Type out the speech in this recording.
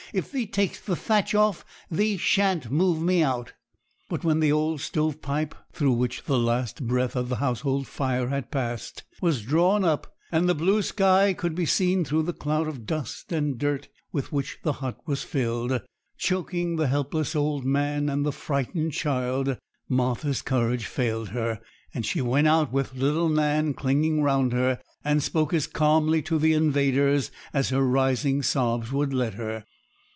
If thee takes the thatch off, thee shan't move me out.' But when the old stove pipe, through which the last breath of the household fire had passed, was drawn up, and the blue sky could be seen through the cloud of dust and dirt with which the hut was filled, choking the helpless old man and the frightened child, Martha's courage failed her; and she went out, with little Nan clinging round her, and spoke as calmly to the invaders as her rising sobs would let her.